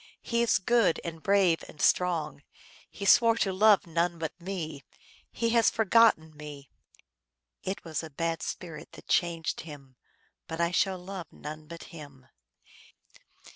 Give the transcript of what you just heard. He is good and brave and strong. He swore to love none but me ; He has forgotten me. It was a bad spirit that changed him, But I will love none but him."